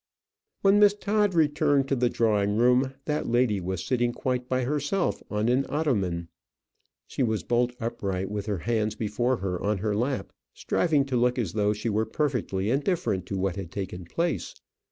When Miss Todd returned to the drawing room that lady was sitting quite by herself on an ottoman. She was bolt upright, with her hands before her on her lap, striving to look as though she were perfectly indifferent to what had taken place.